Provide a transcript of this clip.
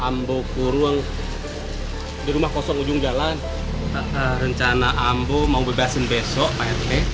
ambo kurung di rumah kosong ujung jalan rencana ambo mau bebasin besok pak rt